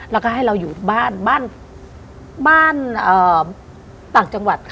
แล้วก็ให้เราอยู่บ้านบ้านต่างจังหวัด